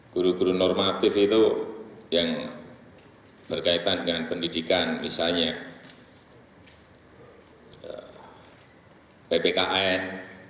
guru guru normatif itu yang berkaitan dengan pendidikan misalnya ppkm